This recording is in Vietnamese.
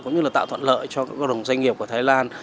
cũng như là tạo thuận lợi cho các cộng đồng doanh nghiệp của thái lan